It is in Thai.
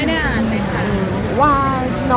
เรายังไม่ได้อ่าน